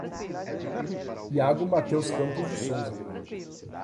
Yago Mateus Campos de Souza